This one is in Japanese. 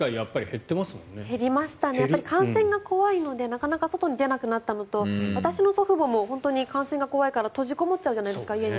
減りましたし感染が怖いのでなかなか外に出なくなったのと私の祖父母も感染が怖いから閉じこもっちゃうじゃないですか